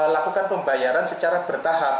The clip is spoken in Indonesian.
lakukan pembayaran secara bertahap